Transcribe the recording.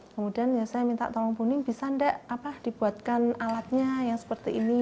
kemudian saya minta tolong puning bisa nggak dibuatkan alatnya yang seperti ini